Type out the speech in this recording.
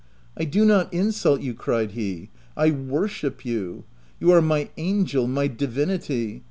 " I do not insult you/' cried he : u I worship you. You are my angel — my divinity